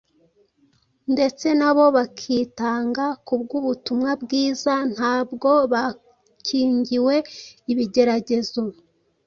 ndetse nabo bakitanga kubw’ubutumwa bwiza, ntabwo bakingiwe ibigeragezo.